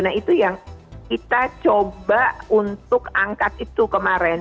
nah itu yang kita coba untuk angkat itu kemarin